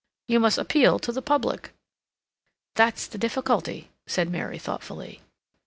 You must appeal to the public." "That's the difficulty," said Mary thoughtfully.